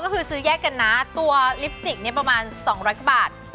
ก็คือซื้อแยกกันนะตัวลิปสติกเนี่ยประมาณ๒๐๐กว่าบาท